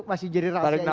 masih jadi rahasia ilahi ya